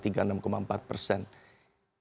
ini masih menjadi